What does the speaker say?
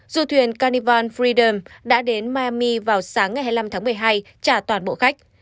du thuyền carnival fredam đã đến mahmi vào sáng ngày hai mươi năm tháng một mươi hai trả toàn bộ khách